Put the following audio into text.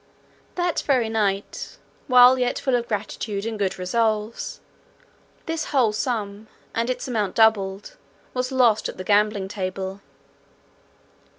That very night, while yet full of gratitude and good resolves, this whole sum, and its amount doubled, was lost at the gaming table.